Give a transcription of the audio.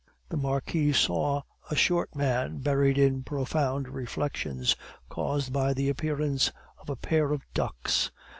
The Marquis saw a short man buried in profound reflections, caused by the appearance of a pair of ducks.